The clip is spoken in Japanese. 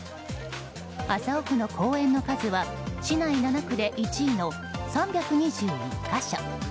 麻生区の公園の数は市内７区で１位の３２１か所。